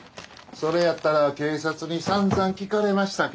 それやったら警察にさんざん聞かれましたけど。